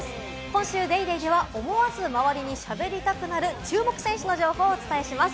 今週『ＤａｙＤａｙ．』では思わず周りにしゃべりたくなる注目選手の情報をお伝えします。